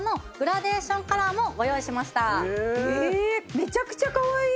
めちゃくちゃかわいい！